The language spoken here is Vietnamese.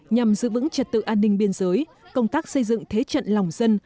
nhằm giữ vững trật tự an ninh biên giới công tác xây dựng thế trận lòng dân